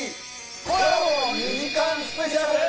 コラボ２時間スペシャル！